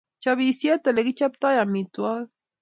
Chobisiet ole kichoptoi amitwogik